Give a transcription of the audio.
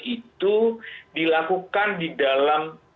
itu dilakukan di dalam